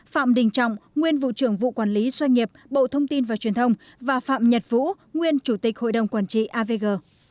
phạm đình trọng nguyên vụ trưởng vụ quản lý doanh nghiệp bộ thông tin và truyền thông và phạm nhật vũ nguyên chủ tịch hội đồng quản trị avg